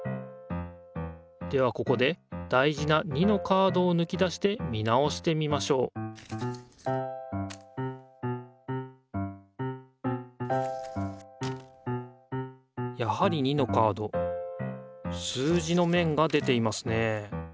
ではここで大事な２のカードをぬき出して見直してみましょうやはり２のカード数字のめんが出ていますね